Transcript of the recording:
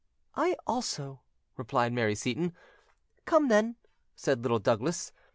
"I also," replied Mary Seyton. "Come, then," said Little Douglas.